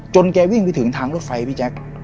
แกวิ่งไปถึงทางรถไฟพี่แจ๊ค